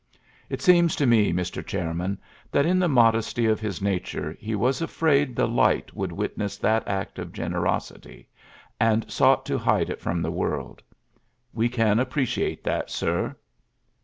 It seems to me, Mr. Chair man, that in the modesty of his nature he was afraid the light would witness that act of generosity, and sought to hide it from the world. We can appreciate that, sir."